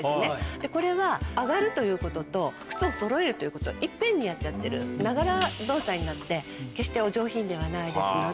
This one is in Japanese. これは上がるということと靴をそろえるということを一遍にやっちゃってるながら動作になって決してお上品ではないですので。